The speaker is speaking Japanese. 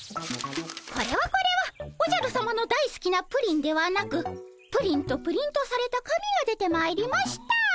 これはこれはおじゃるさまのだいすきなプリンではなく「プリン」とプリントされた紙が出てまいりました。